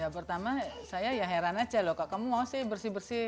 pertama saya ya heran aja loh kak kamu mau sih bersih bersih